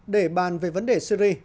để bàn về vấn đề syri